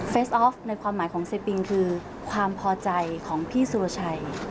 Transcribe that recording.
ออฟในความหมายของเซปิงคือความพอใจของพี่สุรชัย